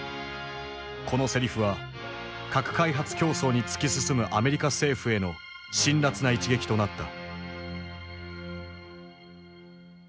このセリフは核開発競争に突き進むアメリカ政府への辛辣な一撃となった。